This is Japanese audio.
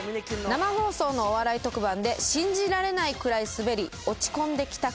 生放送のお笑い特番で信じられないくらいスベり落ち込んで帰宅。